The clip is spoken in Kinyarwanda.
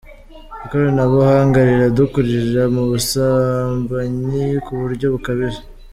Ikoranabuhanga riradukururira mu busambanyi ku buryo bukabije.